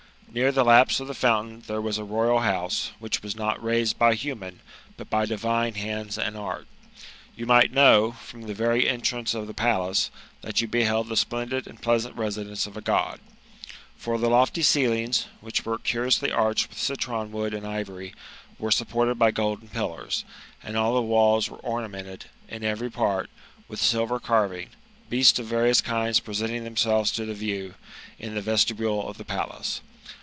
Near the lapse of the fountain there was a royal house, which was aot raised by humani but by divine hand3 apd act. You might kaow, from (he very entrance of the .pa]ace, that you liehild the splendid and pleasant residence of a Gpd. For the lofty ceilings, which were curiously arched with citron wood and ivory, were supported by golden pillais; und all the walls were ornan^ented, in every part, with silver carving, beasts of «ark)tts kinds presenting themselves to the view, in the ve^itibuje of the palac^.